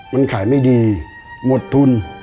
มันขายไม่ดีหมดทุน